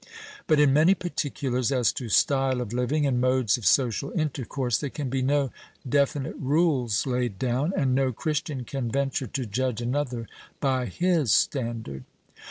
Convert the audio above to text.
But in many particulars as to style of living and modes of social intercourse, there can be no definite rules laid down, and no Christian can venture to judge another by his standard.